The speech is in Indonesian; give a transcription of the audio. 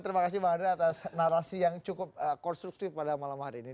terima kasih bang andre atas narasi yang cukup konstruktif pada malam hari ini